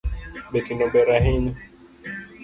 Betino ber ahinya